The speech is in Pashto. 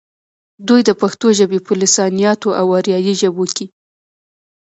دوي د پښتو ژبې پۀ لسانياتو او اريائي ژبو کښې